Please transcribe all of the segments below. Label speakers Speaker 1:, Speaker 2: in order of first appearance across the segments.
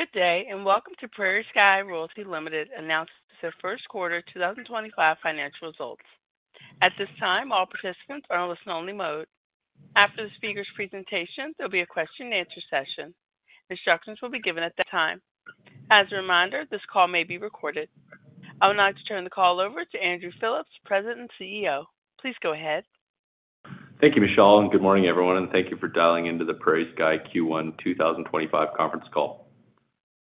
Speaker 1: Good day, and welcome to PrairieSky Royalty Ltd announcing their first quarter 2025 financial results. At this time, all participants are in listen-only mode. After the speaker's presentation, there will be a question-and-answer session. Instructions will be given at that time. As a reminder, this call may be recorded. I would like to turn the call over to Andrew Phillips, President and CEO. Please go ahead.
Speaker 2: Thank you, Michelle, and good morning, everyone. Thank you for dialing into the PrairieSky Q1 2025 conference call.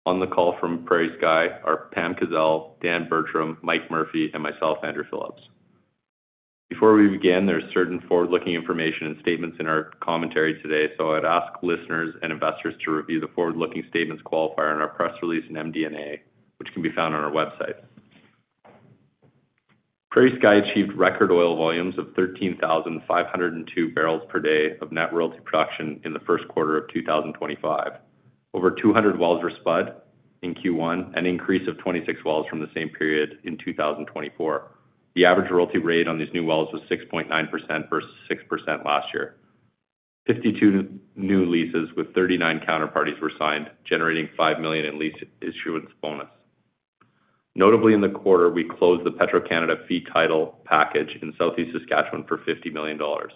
Speaker 2: On the call from PrairieSky are Pam Kazeil, Dan Bertram, Mike Murphy, and myself, Andrew Phillips. Before we begin, there is certain forward-looking information and statements in our commentary today, so I'd ask listeners and investors to review the forward-looking statements qualifier in our press release and MD&A, which can be found on our website. PrairieSky achieved record oil volumes of 13,502 barrels per day of net royalty production in the first quarter of 2025. Over 200 wells were spud in Q1, an increase of 26 wells from the same period in 2024. The average royalty rate on these new wells was 6.9% versus 6% last year. Fifty-two new leases with 39 counterparties were signed, generating 5 million in lease issuance bonus. Notably, in the quarter, we closed the Petro-Canada fee title package in Southeast Saskatchewan for 50 million dollars.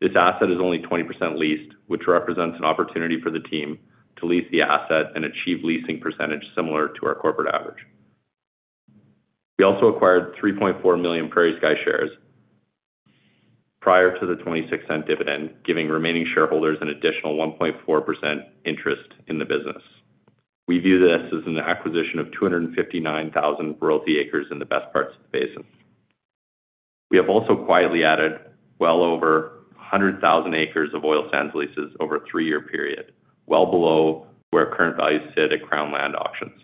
Speaker 2: This asset is only 20% leased, which represents an opportunity for the team to lease the asset and achieve leasing percentage similar to our corporate average. We also acquired 3.4 million PrairieSky shares prior to the 0.26 dividend, giving remaining shareholders an additional 1.4% interest in the business. We view this as an acquisition of 259,000 royalty acres in the best parts of the basin. We have also quietly added well over 100,000 acres of oil sands leases over a three-year period, well below where current values sit at Crown Land Auctions.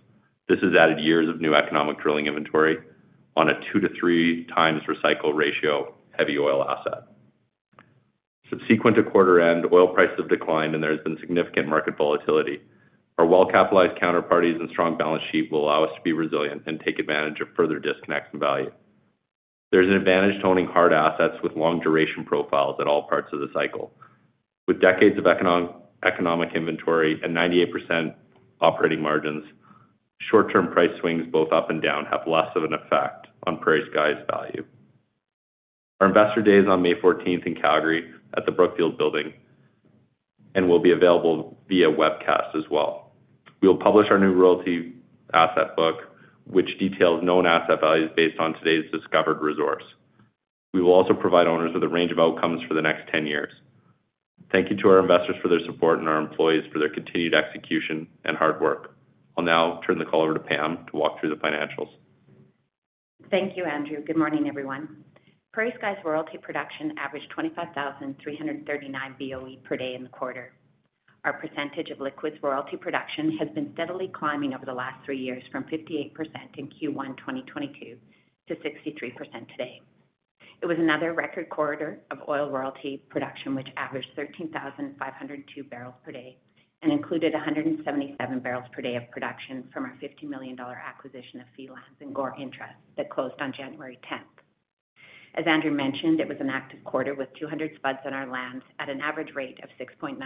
Speaker 2: This has added years of new economic drilling inventory on a two- to three-times recycle ratio heavy oil asset. Subsequent to quarter-end, oil prices have declined, and there has been significant market volatility. Our well-capitalized counterparties and strong balance sheet will allow us to be resilient and take advantage of further disconnects in value. There's an advantage to owning hard assets with long-duration profiles at all parts of the cycle. With decades of economic inventory and 98% operating margins, short-term price swings both up and down have less of an effect on PrairieSky's value. Our Investor Day is on May 14th in Calgary at the Brookfield building and will be available via webcast as well. We will publish our new royalty asset book, which details known asset values based on today's discovered resource. We will also provide owners with a range of outcomes for the next 10 years. Thank you to our investors for their support and our employees for their continued execution and hard work. I'll now turn the call over to Pam to walk through the financials.
Speaker 3: Thank you, Andrew. Good morning, everyone. PrairieSky's royalty production averaged 25,339 BOE per day in the quarter. Our percentage of liquids royalty production has been steadily climbing over the last three years from 58% in Q1 2022 to 63% today. It was another record quarter of oil royalty production, which averaged 13,502 barrels per day and included 177 barrels per day of production from our 50 million dollar acquisition of fee lands and GORR interests that closed on January 10th. As Andrew mentioned, it was an active quarter with 200 spuds on our lands at an average rate of 6.9%.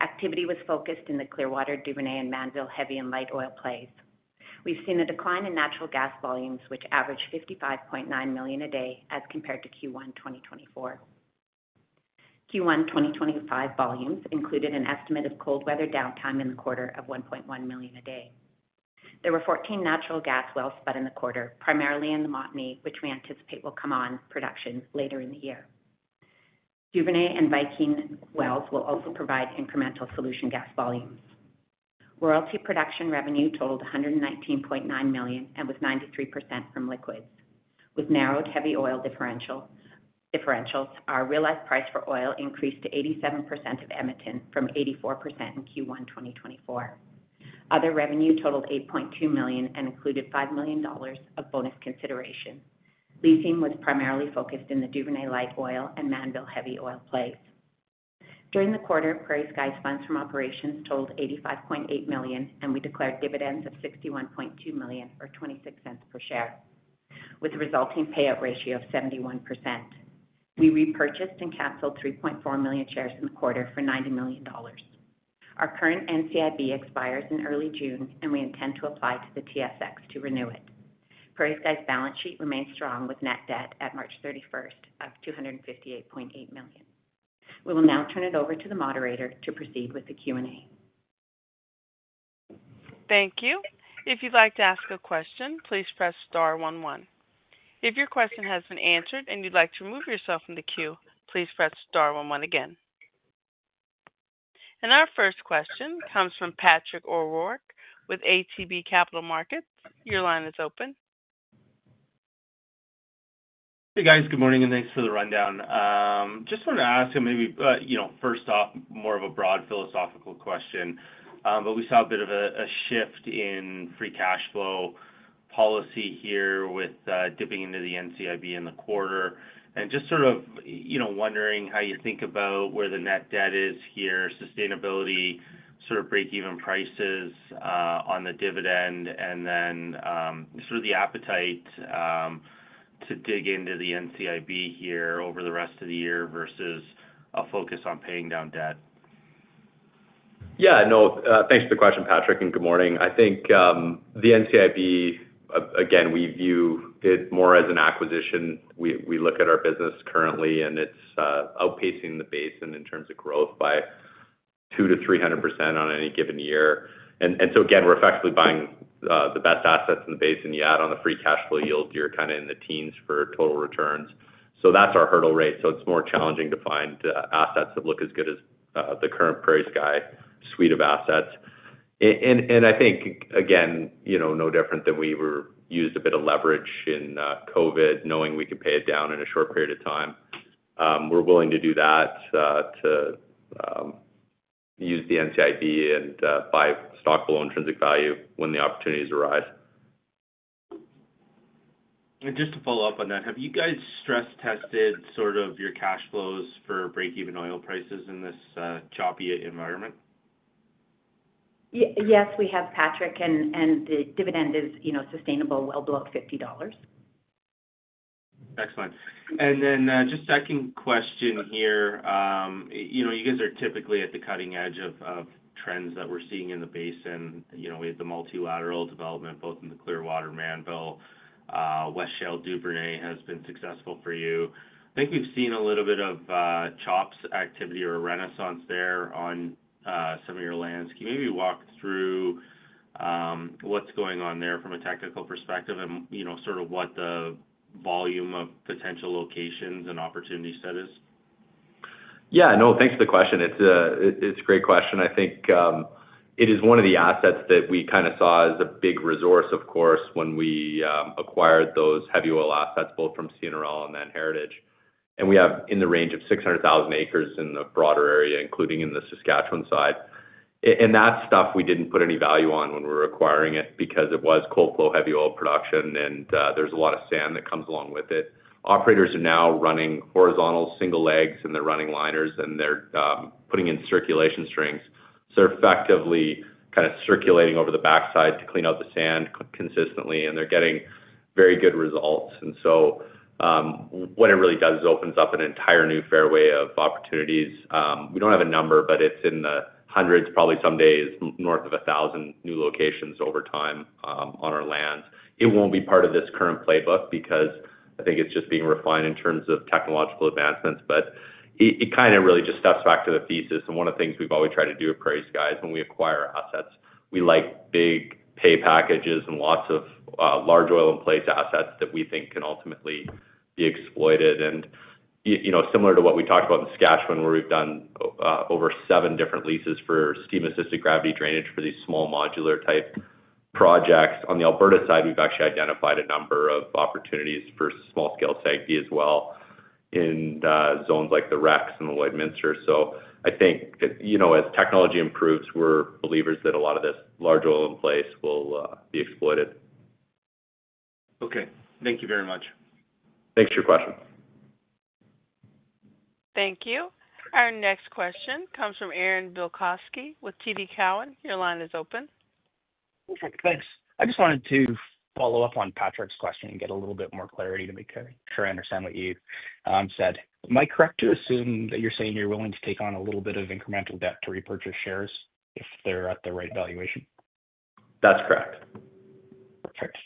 Speaker 3: Activity was focused in the Clearwater, Duvernay, and Mannville heavy and light oil plays. We've seen a decline in natural gas volumes, which averaged 55.9 million a day as compared to Q1 2024. Q1 2025 volumes included an estimate of cold weather downtime in the quarter of 1.1 million a day. There were 14 natural gas wells spud in the quarter, primarily in the Montney, which we anticipate will come on production later in the year. Duvernay and Viking wells will also provide incremental solution gas volumes. Royalty production revenue totaled 119.9 million and was 93% from liquids. With narrowed heavy oil differentials, our realized price for oil increased to 87% of WTI from 84% in Q1 2024. Other revenue totaled 8.2 million and included 5 million dollars of bonus consideration. Leasing was primarily focused in the Duvernay light oil and Mannville heavy oil plays. During the quarter, PrairieSky's funds from operations totaled 85.8 million, and we declared dividends of 61.2 million or 0.26 per share, with a resulting payout ratio of 71%. We repurchased and canceled 3.4 million shares in the quarter for 90 million dollars. Our current NCIB expires in early June, and we intend to apply to the TSX to renew it. PrairieSky's balance sheet remains strong with net debt at March 31 of 258.8 million. We will now turn it over to the moderator to proceed with the Q&A.
Speaker 1: Thank you. If you'd like to ask a question, please press star 11. If your question has been answered and you'd like to remove yourself from the queue, please press star 11 again. Our first question comes from Patrick O'Rourke with ATB Capital Markets. Your line is open.
Speaker 4: Hey, guys. Good morning and thanks for the rundown. Just wanted to ask him maybe, you know, first off, more of a broad philosophical question, but we saw a bit of a shift in free cash flow policy here with dipping into the NCIB in the quarter. Just sort of, you know, wondering how you think about where the net debt is here, sustainability, sort of break-even prices on the dividend, and then sort of the appetite to dig into the NCIB here over the rest of the year versus a focus on paying down debt.
Speaker 2: Yeah, no, thanks for the question, Patrick, and good morning. I think the NCIB, again, we view it more as an acquisition. We look at our business currently, and it's outpacing the basin in terms of growth by 200%-300% on any given year. Again, we're effectively buying the best assets in the basin. You add on the free cash flow yield, you're kind of in the teens for total returns. That's our hurdle rate. It's more challenging to find assets that look as good as the current PrairieSky suite of assets. I think, again, you know, no different than we used a bit of leverage in COVID, knowing we could pay it down in a short period of time. We're willing to do that to use the NCIB and buy stock below intrinsic value when the opportunities arise.
Speaker 4: Just to follow up on that, have you guys stress-tested sort of your cash flows for break-even oil prices in this choppy environment?
Speaker 3: Yes, we have, Patrick, and the dividend is, you know, sustainable well below 50 dollars.
Speaker 4: Excellent. And then just second question here. You know, you guys are typically at the cutting edge of trends that we're seeing in the basin. You know, we have the multilateral development both in the Clearwater, Mannville, West Shale, Duvernay has been successful for you. I think we've seen a little bit of CHOPS activity or a renaissance there on some of your lands. Can you maybe walk through what's going on there from a technical perspective and, you know, sort of what the volume of potential locations and opportunity set is?
Speaker 2: Yeah, no, thanks for the question. It's a great question. I think it is one of the assets that we kind of saw as a big resource, of course, when we acquired those heavy oil assets both from CNRL and then Heritage. We have in the range of 600,000 acres in the broader area, including in the Saskatchewan side. That stuff we did not put any value on when we were acquiring it because it was cold flow heavy oil production and there is a lot of sand that comes along with it. Operators are now running horizontal single legs and they are running liners and they are putting in circulation strings. They are effectively kind of circulating over the backside to clean out the sand consistently and they are getting very good results. What it really does is opens up an entire new fairway of opportunities. We don't have a number, but it's in the hundreds, probably some days north of 1,000 new locations over time on our lands. It won't be part of this current playbook because I think it's just being refined in terms of technological advancements. It kind of really just steps back to the thesis. One of the things we've always tried to do at PrairieSky is when we acquire assets, we like big pay packages and lots of large oil in place assets that we think can ultimately be exploited. You know, similar to what we talked about in Saskatchewan where we've done over seven different leases for steam-assisted gravity drainage for these small modular type projects. On the Alberta side, we've actually identified a number of opportunities for small-scale SAGD as well in zones like the Rex and the Lloydminster. I think, you know, as technology improves, we're believers that a lot of this large oil in place will be exploited.
Speaker 4: Okay. Thank you very much.
Speaker 2: Thanks for your question.
Speaker 1: Thank you. Our next question comes from Aaron Bilkoski with TD Cowen. Your line is open.
Speaker 5: Perfect. Thanks. I just wanted to follow up on Patrick's question and get a little bit more clarity to make sure I understand what you said. Am I correct to assume that you're saying you're willing to take on a little bit of incremental debt to repurchase shares if they're at the right valuation?
Speaker 2: That's correct.
Speaker 5: Perfect.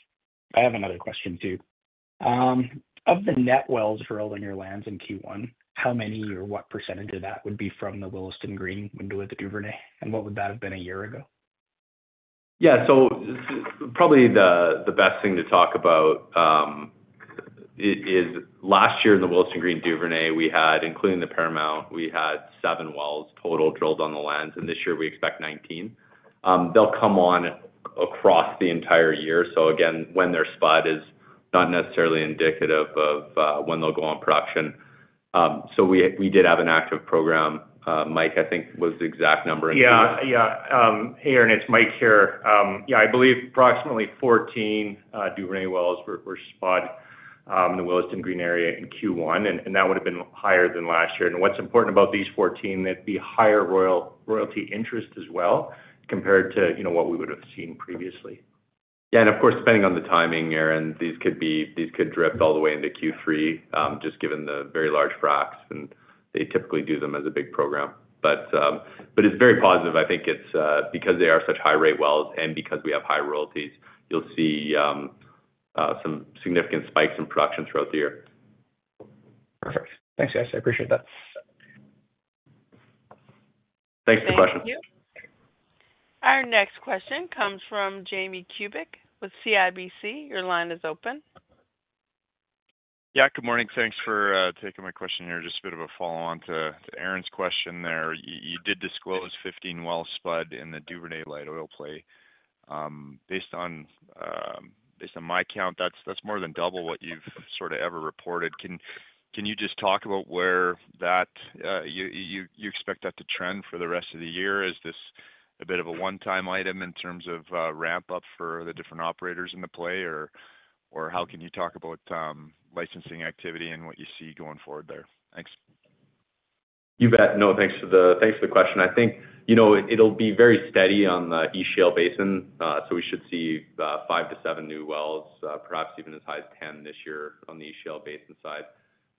Speaker 5: I have another question too. Of the net wells drilled on your lands in Q1, how many or what percentage of that would be from the Willesden Green window at the Duvernay? And what would that have been a year ago?
Speaker 2: Yeah. Probably the best thing to talk about is last year in the Willesden Green Duvernay, we had, including Paramount, we had seven wells total drilled on the lands. This year we expect 19. They'll come on across the entire year. Again, when their spud is not necessarily indicative of when they'll go on production. We did have an active program. Mike, I think, was the exact number in Q1.
Speaker 6: Yeah, yeah. Aaron, it's Mike here. Yeah, I believe approximately 14 Duvernay wells were spud in the Willesden Green area in Q1, and that would have been higher than last year. What's important about these 14, it'd be higher royalty interest as well compared to, you know, what we would have seen previously.
Speaker 2: Yeah. Of course, depending on the timing, Aaron, these could drift all the way into Q3 just given the very large fracs, and they typically do them as a big program. It is very positive. I think it is because they are such high-rate wells and because we have high royalties, you will see some significant spikes in production throughout the year.
Speaker 5: Perfect. Thanks, guys. I appreciate that.
Speaker 2: Thanks for the question.
Speaker 1: Thank you. Our next question comes from Jamie Kubik with CIBC. Your line is open.
Speaker 7: Yeah. Good morning. Thanks for taking my question here. Just a bit of a follow-on to Aaron's question there. You did disclose 15 well spud in the Duvernay light oil play. Based on my count, that's more than double what you've sort of ever reported. Can you just talk about where that you expect that to trend for the rest of the year? Is this a bit of a one-time item in terms of ramp-up for the different operators in the play, or how can you talk about licensing activity and what you see going forward there? Thanks.
Speaker 2: You bet. No, thanks for the question. I think, you know, it'll be very steady on the East Shale Basin, so we should see five to seven new wells, perhaps even as high as 10 this year on the East Shale Basin side.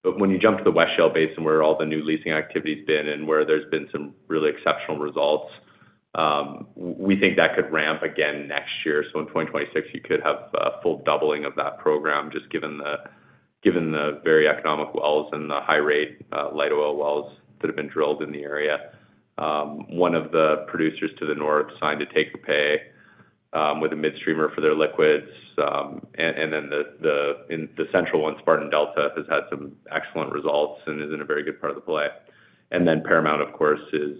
Speaker 2: When you jump to the West Shale Basin, where all the new leasing activity's been and where there's been some really exceptional results, we think that could ramp again next year. In 2026, you could have a full doubling of that program just given the very economic wells and the high-rate light oil wells that have been drilled in the area. One of the producers to the north signed a take-pay with a midstreamer for their liquids. The central one, Spartan Delta, has had some excellent results and is in a very good part of the play. Paramount, of course, is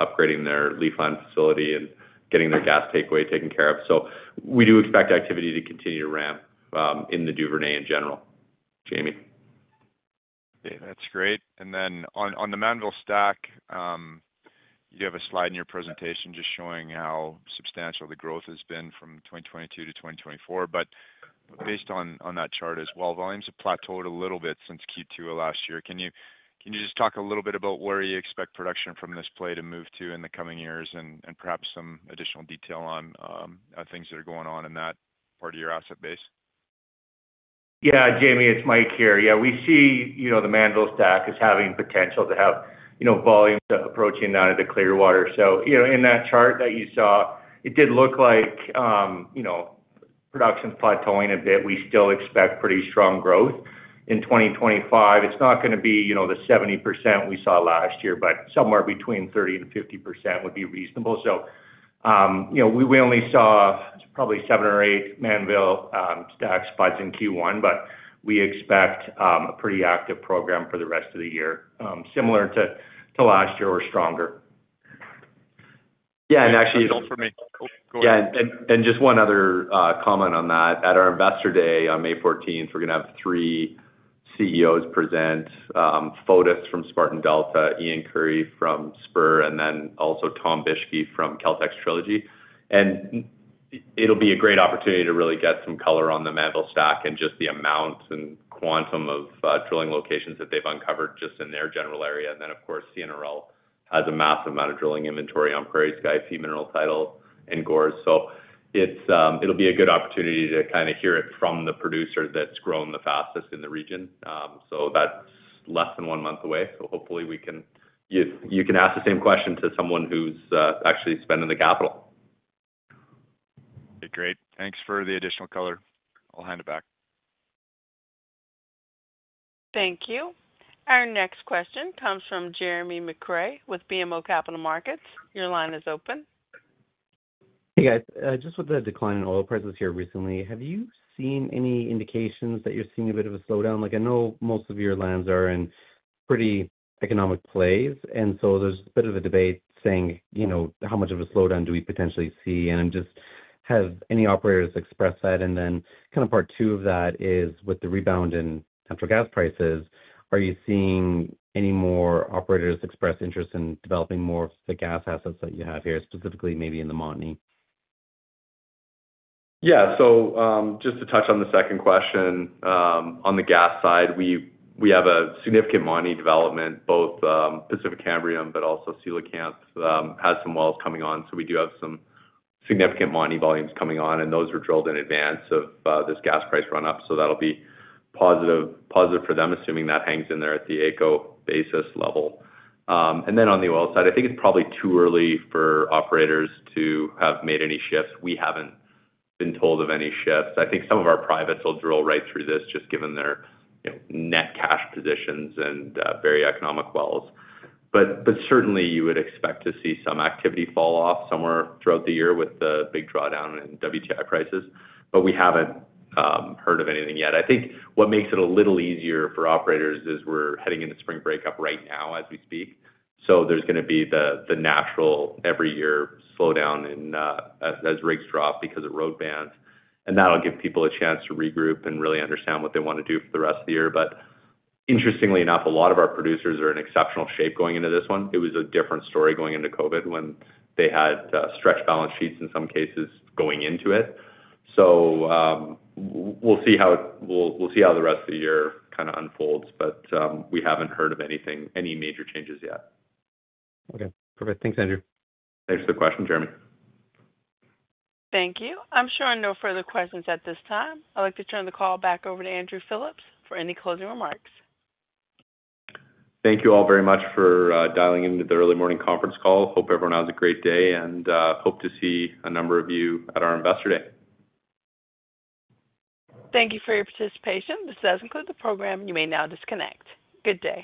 Speaker 2: upgrading their Leafland facility and getting their gas takeaway taken care of. We do expect activity to continue to ramp in the Duvernay in general, Jamie.
Speaker 7: That's great. On the Mannville stack, you have a slide in your presentation just showing how substantial the growth has been from 2022 to 2024. Based on that chart as well, volumes have plateaued a little bit since Q2 of last year. Can you just talk a little bit about where you expect production from this play to move to in the coming years and perhaps some additional detail on things that are going on in that part of your asset base?
Speaker 2: Yeah, Jamie, it's Mike here. Yeah, we see, you know, the Mannville stack as having potential to have, you know, volumes approaching that of the Clearwater. You know, in that chart that you saw, it did look like, you know, production plateauing a bit. We still expect pretty strong growth in 2025. It's not going to be, you know, the 70% we saw last year, but somewhere between 30-50% would be reasonable. You know, we only saw probably seven or eight Mannville stack spuds in Q1, but we expect a pretty active program for the rest of the year, similar to last year or stronger.
Speaker 7: Yeah. Actually. It's all for me. Go ahead. Yeah. Just one other comment on that. At our Investor Day on May 14th, we're going to have three CEOs present: Fotis from Spartan Delta, Ian Currie from Spur, and then also Tom Bieschke from Caltex Trilogy. It'll be a great opportunity to really get some color on the Mannville stack and just the amount and quantum of drilling locations that they've uncovered just in their general area. Of course, CNRL has a massive amount of drilling inventory on PrairieSky fee mineral title and GORR interests. It'll be a good opportunity to kind of hear it from the producer that's grown the fastest in the region. That's less than one month away. Hopefully we can, you can ask the same question to someone who's actually spending the capital. Okay. Great. Thanks for the additional color. I'll hand it back.
Speaker 1: Thank you. Our next question comes from Jeremy McCrea with BMO Capital Markets. Your line is open.
Speaker 8: Hey, guys. Just with the decline in oil prices here recently, have you seen any indications that you're seeing a bit of a slowdown? Like, I know most of your lands are in pretty economic plays, and so there's a bit of a debate saying, you know, how much of a slowdown do we potentially see? I'm just, have any operators expressed that? Part two of that is with the rebound in natural gas prices, are you seeing any more operators express interest in developing more of the gas assets that you have here, specifically maybe in the Montney?
Speaker 2: Yeah. Just to touch on the second question, on the gas side, we have a significant Montney development, both Pacific Canbriam, but also Coelacanth has some wells coming on. We do have some significant Montney volumes coming on, and those were drilled in advance of this gas price run-up. That will be positive for them, assuming that hangs in there at the AECO basis level. On the oil side, I think it is probably too early for operators to have made any shifts. We have not been told of any shifts. I think some of our privates will drill right through this just given their, you know, net cash positions and very economic wells. Certainly you would expect to see some activity fall off somewhere throughout the year with the big drawdown in WTI prices, but we have not heard of anything yet. I think what makes it a little easier for operators is we're heading into spring break up right now as we speak. There is going to be the natural every year slowdown as rigs drop because of road bans, and that'll give people a chance to regroup and really understand what they want to do for the rest of the year. Interestingly enough, a lot of our producers are in exceptional shape going into this one. It was a different story going into COVID when they had stretched balance sheets in some cases going into it. We will see how the rest of the year kind of unfolds, but we haven't heard of anything, any major changes yet.
Speaker 8: Okay. Perfect. Thanks, Andrew.
Speaker 2: Thanks for the question, Jeremy.
Speaker 1: Thank you. I'm sure no further questions at this time. I'd like to turn the call back over to Andrew Phillips for any closing remarks.
Speaker 2: Thank you all very much for dialing into the early morning conference call. Hope everyone has a great day and hope to see a number of you at our Investor Day.
Speaker 1: Thank you for your participation. This does conclude the program. You may now disconnect. Good day.